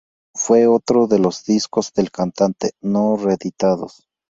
Fue otros de los discos del cantante, no reeditados.